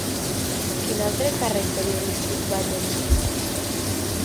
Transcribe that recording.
Quin altre càrrec periodístic va tenir?